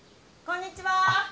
こんにちは！